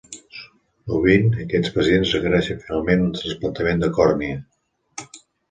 Sovint, aquests pacients requereixen finalment un trasplantament de còrnia.